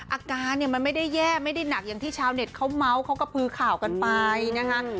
อาการเนี่ยมันไม่ได้แย่ไม่ได้หนักอย่างที่ชาวเน็ตเขาเมาส์เขาก็พือข่าวกันไปนะคะ